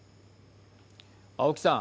青木さん。